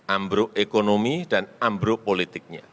ambro ekonomi dan ambro politiknya